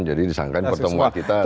jadi disangka pertemuan kita